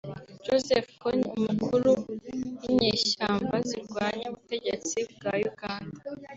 Joseph Kony Umukuru w’inyeshyamba zirwanya ubutegetsi bwa Uganda